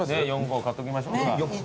４個買っときましょうか。